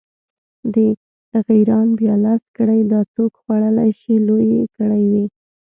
د غیراڼ بیا لس کړۍ، دا څوک خوړلی شي، لویې کړۍ وې.